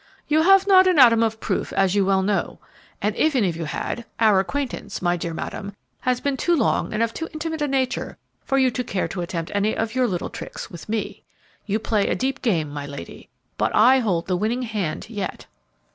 "You have not an atom of proof; as you well know; and even if you had, our acquaintance, my dear madam, has been too long and of too intimate a nature for you to care to attempt any of your little tricks with me. You play a deep game, my lady, but I hold the winning hand yet."